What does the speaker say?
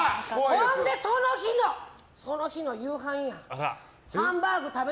ほんで、その日の夕飯や。